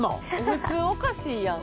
普通おかしいやん。